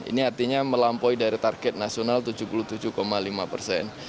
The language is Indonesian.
ini artinya melampaui dari target nasional tujuh puluh tujuh lima persen